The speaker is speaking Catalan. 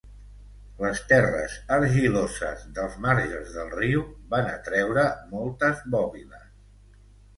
Les terres argiloses dels marges del riu van atreure moltes bòbiles.